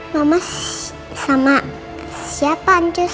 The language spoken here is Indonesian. mama sama siapa entus